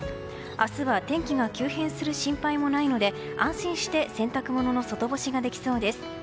明日は天気が急変する心配もないので安心して洗濯物の外干しができそうです。